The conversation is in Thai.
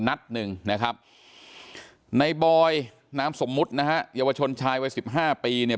นัดนึงนะครับในบอยน้ำสมมุตินะฮะยาวชนชายวัย๑๕ปีเนี่ย